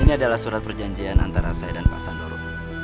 ini adalah surat perjanjian antara saya dan pak sandoru